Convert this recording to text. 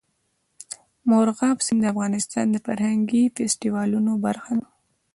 مورغاب سیند د افغانستان د فرهنګي فستیوالونو برخه ده.